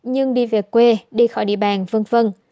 nhưng đi về quê đi khỏi địa bàn v v